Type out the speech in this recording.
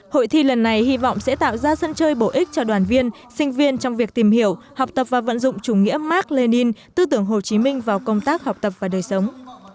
hội thi lần này hy vọng sẽ tạo ra sân chơi bổ ích cho đoàn viên sinh viên trong việc tìm hiểu học tập và vận dụng chủ nghĩa mark lenin tư tưởng hồ chí minh vào công tác học tập và đời sống